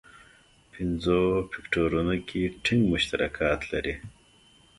پنځو فکټورونو کې ټینګ مشترکات لري.